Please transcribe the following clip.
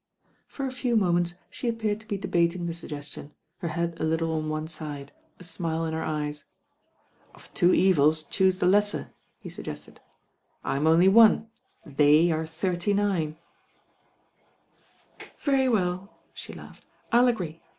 For a few moments she appeared to be debating the suggestion, her head a little on one side, a smile m ner eyes. ;'Of two evils choose the lesser," he suggested. 1 m only one, they are thirty^iine."